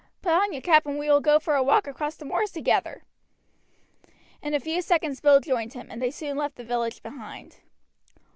Put on your cap and we will go for a walk across the moors together." In a few seconds Bill joined him, and they soon left the village behind.